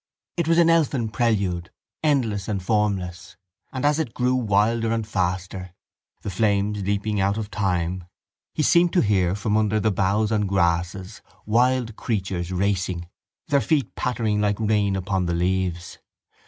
It was an elfin prelude, endless and formless; and, as it grew wilder and faster, the flames leaping out of time, he seemed to hear from under the boughs and grasses wild creatures racing, their feet pattering like rain upon the leaves.